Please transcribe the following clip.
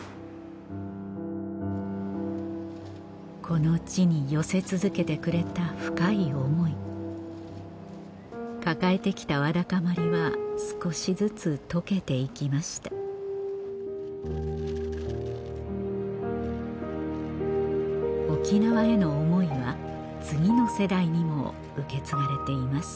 この地に寄せ続けてくれた深い思い抱えて来たわだかまりは少しずつ溶けて行きました沖縄への思いは次の世代にも受け継がれています